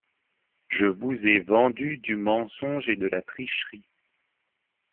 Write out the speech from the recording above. Je vous ai vendu du mensonge et de la tricherie.